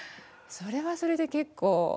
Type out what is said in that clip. それはそれで結構。